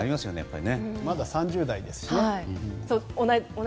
まだ３０代ですしね。